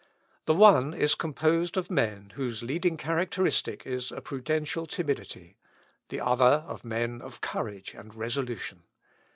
The one is composed of men, whose leading characteristic is a prudential timidity; the other of men of courage and resolution.